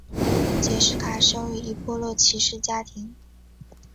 杰式卡生于一破落骑士家庭。